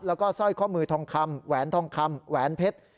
แล้วก็สร้อยข้อมือทองคำแหวนทองคำแหวนเพชร